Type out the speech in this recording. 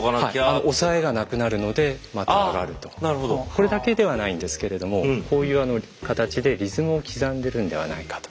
これだけではないんですけれどもこういう形でリズムを刻んでるんではないかと。